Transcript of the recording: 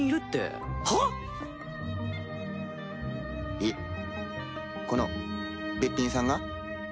えっこのべっぴんさんが？